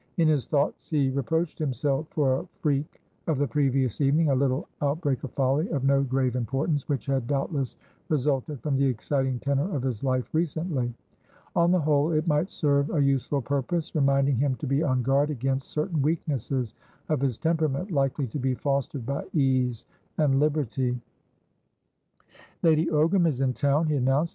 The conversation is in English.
In his thoughts, he reproached himself for a freak of the previous evening, a little outbreak of folly, of no grave importance, which had doubtless resulted from the exciting tenor of his life recently. On the whole, it might serve a useful purpose, reminding him to be on guard against certain weaknesses of his temperament, likely to be fostered by ease and liberty. "Lady Ogram is in town," he announced.